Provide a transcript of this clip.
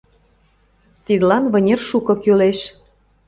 — Тидлан вынер шуко кӱлеш.